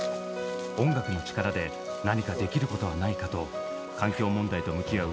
音楽の力で何かできることはないかと環境問題と向き合う